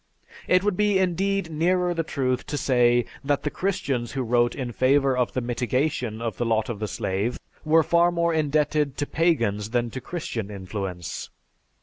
It would be indeed nearer the truth to say that the Christians who wrote in favor of the mitigation of the lot of the slave were far more indebted to pagans than to Christian influence."